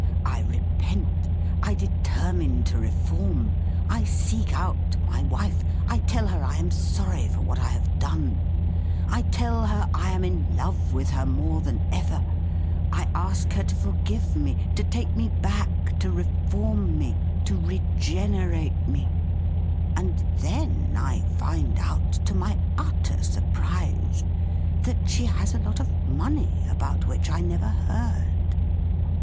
I repent, I determine to reform, I seek out my wife, I tell her I am sorry for what I have done, I tell her I am in love with her more than ever ; I ask her to forgive me, to take me back, to reform me, to regenerate me ; and then I find out, to my utter surprise, that she has a lot of money about which I never heard